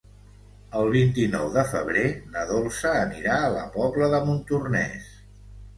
El vint-i-nou de febrer na Dolça anirà a la Pobla de Montornès.